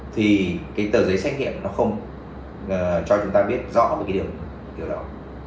thì cái tờ giấy xét nghiệm nó không cho chúng ta biết rõ cái điều đó